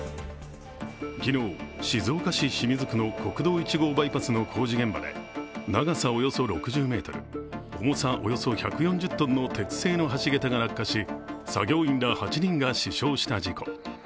昨日、静岡市清水区の国道１号バイパスの工事現場で長さおよそ６０ｍ、重さおよそ１４０ｔの鉄製の橋桁が落下し、作業員ら８人が死傷した事故。